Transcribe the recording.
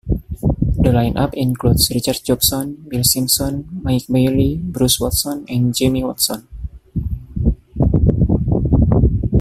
The lineup includes Richard Jobson, Bill Simpson, Mike Baillie, Bruce Watson and Jamie Watson.